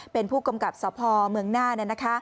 เป็นผู้กำกับสพเมืองน่าน